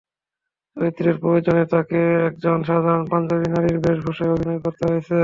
চরিত্রের প্রয়োজনে তাঁকে একজন সাধারণ পাঞ্জাবি নারীর বেশভূষায় অভিনয় করতে হয়েছে।